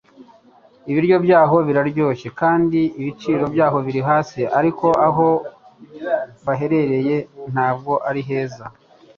Ibiryo byaho biraryoshye kandi ibiciro byabo biri hasi. Ariko, aho baherereye ntabwo ari heza.